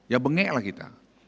ya bengek lah kita